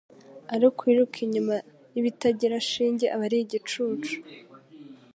ariko uwiruka inyuma y’ibitagira shinge aba ari igicucu